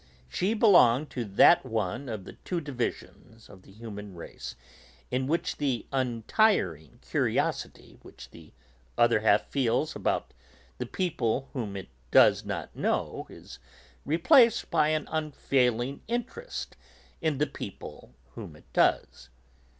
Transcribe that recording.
She belonged to that one of the two divisions of the human race in which the untiring curiosity which the other half feels about the people whom it does not know is replaced by an unfailing interest in the people whom it does.